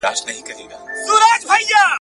دوهم سبب.